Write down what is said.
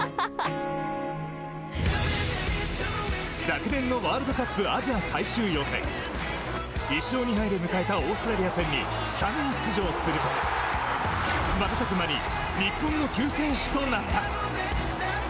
昨年のワールドカップアジア最終予選１勝２敗で迎えたオーストラリア戦にスタメン出場すると瞬く間に日本の救世主となった。